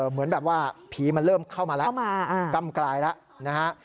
เหมือนแบบว่าผีมันเริ่มเข้ามาแล้วก้ำกลายแล้วนะฮะ